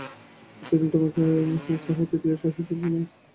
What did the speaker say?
এতদিন তোমাকেই সমস্ত আহুতি দিয়া আসিতেছিলাম, আজ একেবারে শেষ করিয়া দিলাম।